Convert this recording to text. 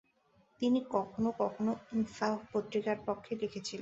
তিনি কখনও কখনও "ইনসাফ" পত্রিকার পক্ষে লিখেছিলেন।